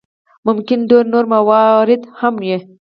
ممکن ډېر نور موارد هم وي.